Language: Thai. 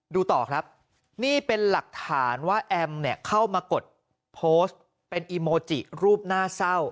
ดูต่อครับนี่เป็นหลักฐานว่าแอมเนี่ยเข้ามากดโพสต์เป็นอีโมจิรูปน่าเศร้า